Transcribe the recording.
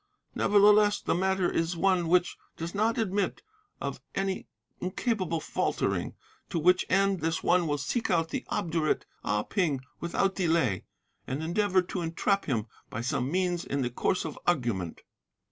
Nevertheless, the matter is one which does not admit of any incapable faltering, to which end this one will seek out the obdurate Ah Ping without delay, and endeavour to entrap him by some means in the course of argument.